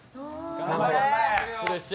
・頑張れ！